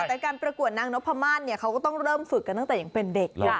แต่การประกวดนางนพมาศเนี่ยเขาก็ต้องเริ่มฝึกกันตั้งแต่ยังเป็นเด็ก